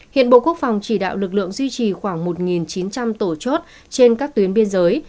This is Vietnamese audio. hiện bộ quốc phòng chỉ đạo lực lượng duy trì khoảng một chín trăm linh tổ chốt trên các tuyến biên giới